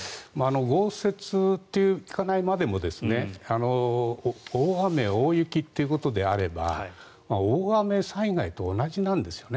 豪雪とは行かないまでも大雨、大雪ということであれば大雨災害と同じなんですよね。